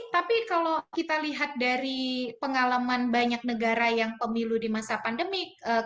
tapi kalau kita lihat dari pengalaman banyak negara yang pemilu di masa pandemi